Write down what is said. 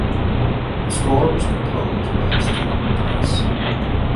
The score was composed by Steven Price.